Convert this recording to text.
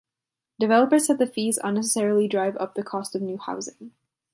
Developers said the fees unnecessarily drive up the cost of new housing.